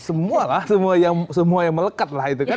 semualah semua yang melekatlah itu kan